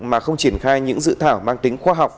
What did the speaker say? mà không triển khai những dự thảo mang tính khoa học